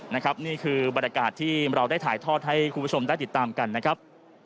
นี่คือบรรยากาศที่เราได้ถ่ายทอดให้คุณผู้ชมได้ติดตามกันนะครับ